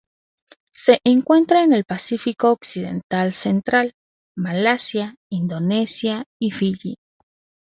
Se encuentra en el Pacífico occidental central: Malasia, Indonesia y Fiyi.